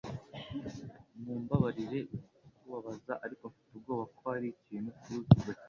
Mumbabarire kukubabaza, ariko mfite ubwoba ko hari ikintu cyihutirwa cyaje